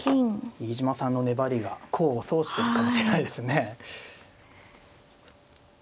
飯島さんの粘りが功を奏してるかもしれないですね。